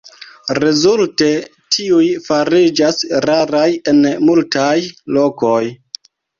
Rezulte tiuj fariĝas raraj en multaj lokoj.